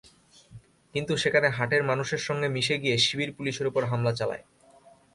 কিন্তু সেখানে হাটের মানুষের সঙ্গে মিশে গিয়ে শিবির পুলিশের ওপর হামলা চালায়।